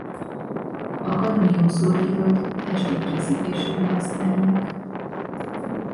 A kadmium-szulfidot festék készítésére használják.